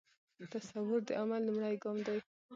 تصور د عمل لومړی ګام دی.